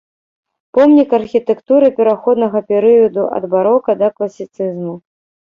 Помнік архітэктуры пераходнага перыяду ад барока да класіцызму.